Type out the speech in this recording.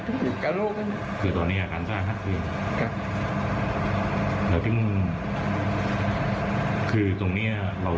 ซึ่งฝ่ายเฟ้าโครนนี่นี้แล้วกระดิษฐ์เขาติดใช้